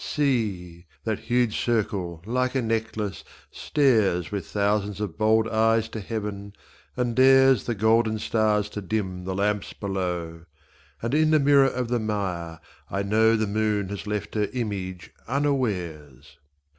See ! that huge circle like a necklace, stares With thousands of bold eyes to heaven, and dares The golden stars to dim the lamps below, And in the mirror of the mire I know The moon has left her image unawares.